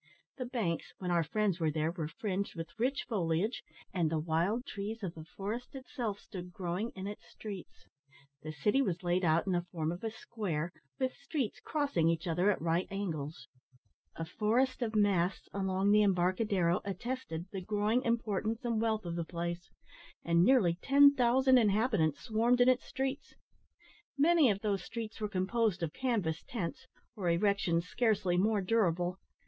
The banks, when our friends were there, were fringed with rich foliage, and the wild trees of the forest itself stood growing in the streets. The city was laid out in the form of a square, with streets crossing each other at right angles; a forest of masts along the embarcadero attested the growing importance and wealth of the place; and nearly ten thousand inhabitants swarmed in its streets. Many of those streets were composed of canvas tents, or erections scarcely more durable.